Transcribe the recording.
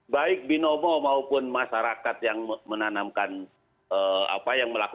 baik binomo maupun masyarakat yang menanamkan